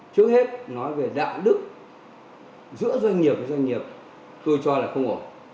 trước hết nói về đạo đức giữa doanh nghiệp với doanh nghiệp tôi cho là không ổn